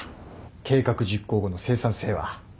計画実行後の生産性は。